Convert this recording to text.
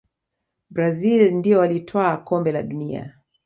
brazil ndio walitwaa kombe la dunia